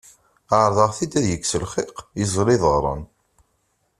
Ɛerḍeɣ-t-id ad yekkes lxiq, yeẓẓel iḍarren.